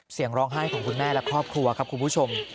เสียงร้องไห้ของคุณแม่และครอบครัวครับคุณผู้ชม